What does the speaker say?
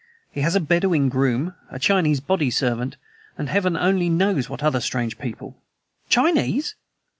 He has a Bedouin groom, a Chinese body servant, and Heaven only knows what other strange people!" "Chinese!"